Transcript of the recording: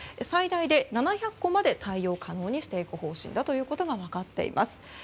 最大で７００戸まで対応可能にしていく方針であるということが分かっています。